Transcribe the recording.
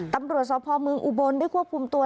ตำรวจสพเมืองอุบลได้ควบคุมตัว